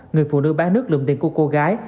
người phụ nữ bán nước lượm tiền của cô gái